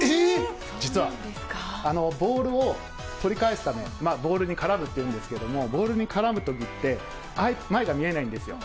実は、ボールを取り返すため、ボールに絡むっていうんですけれども、ボールに絡むときって、前が見えないんですよ。